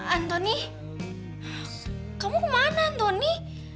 andoni kamu dimana andoni